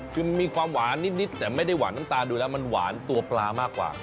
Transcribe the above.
คือมีความหวานนิดแต่ไม่ได้หวานน้ำตาลดูแล้วมันหวานตัวปลามากกว่า